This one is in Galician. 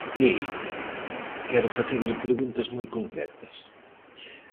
Mire, quero facerlle preguntas moi concretas.